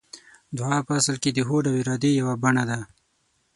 دعا په اصل کې د هوډ او ارادې يوه بڼه ده.